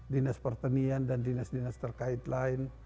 dinas pertanian dan dinas dinas terkait lain